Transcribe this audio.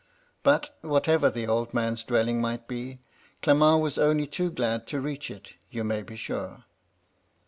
But, whatever the old man's dwelling might be, Cle ment was only too glad to reach it, you may be sure.